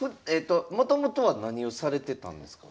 もともとは何をされてたんですか？